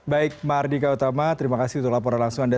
baik mardika utama terima kasih untuk laporan langsung anda